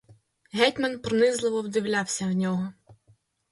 Гетьман пронизливо вдивлявся в нього.